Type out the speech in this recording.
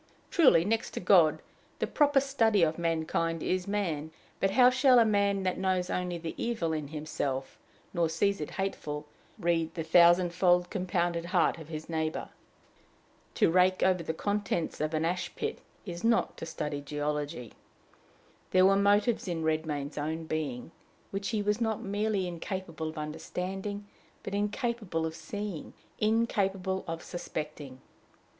Truly, next to God, the proper study of mankind is man; but how shall a man that knows only the evil in himself, nor sees it hateful, read the thousandfold compounded heart of his neighbor? To rake over the contents of an ash pit, is not to study geology. There were motives in Redmain's own being, which he was not merely incapable of understanding, but incapable of seeing, incapable of suspecting.